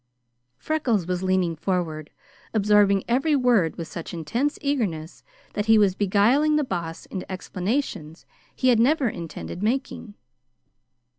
Freckles was leaning forward, absorbing every word with such intense eagerness that he was beguiling the Boss into explanations he had never intended making.